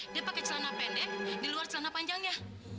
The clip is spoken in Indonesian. dia pakai celana pendek di luar celana panjangnya